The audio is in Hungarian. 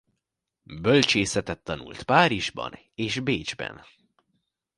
Bölcsészetet tanult Párizsban és Bécsben.